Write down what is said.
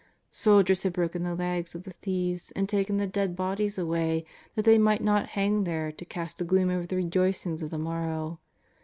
Sol diers had broken the legs of the thieves and taken the dead bodies away that they might not hang there to cast a gloom over the rejoicings of the morrow.